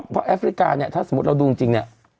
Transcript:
เพราะแอฟริกาถ้าสมมติเราดูจริง